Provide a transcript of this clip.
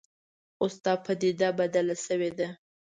اوس دا په پدیده بدله شوې ده